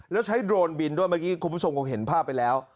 แล้วใช้โดรนบินด้วยเมื่อกี้คุณผู้ชมคงเห็นภาพไปแล้ว